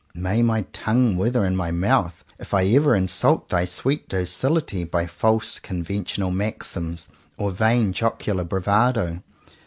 May my tongue wither in my mouth if I ever insult thy sweet docility by false conventional maxims or vain jocular bravado.